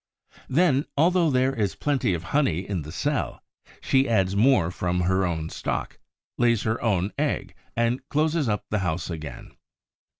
Then, although there is already plenty of honey in the cell, she adds more from her own stock, lays her own egg, and closes up the house again.